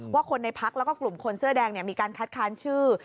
คนในพักแล้วก็กลุ่มคนเสื้อแดงมีการคัดค้านชื่อ